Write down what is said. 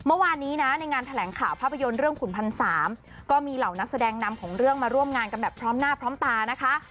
เมื่อวานนี้นะในงานแถลงข่าวภาพยนตร์เรื่องขุนพันสามก็มีเหล่านักแสดงนำของเรื่องมาร่วมงานกันแบบพร้อมหน้าพร้อมตานะคะ